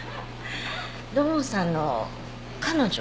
土門さんの彼女？